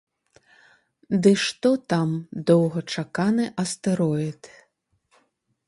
Ды што там доўгачаканы астэроід!